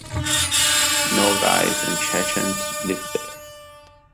Nogais and Chechens live there.